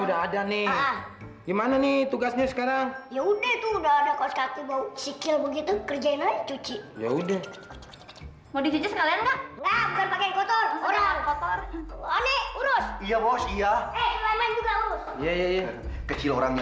sampai jumpa di video selanjutnya